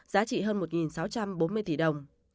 giá trị hơn một sáu trăm bốn mươi tỷ đồng